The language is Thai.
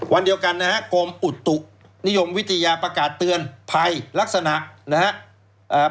วันเดียวกันนะฮะกรมอุตุนิยมวิทยาประกาศเตือนภัยลักษณะนะครับ